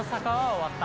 終わった！